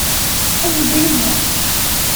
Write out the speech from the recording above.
A yeddu yid-neɣ?